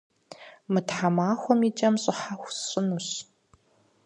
Мы тхьэмахуэм и кӏэм щӏыхьэху сщӏынущ.